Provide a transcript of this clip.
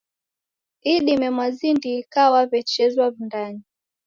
Idime mwazindika waw'echezwa W'undanyi.